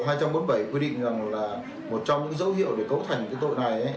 một trong những dấu hiệu để cấu thành tội này